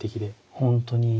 本当に。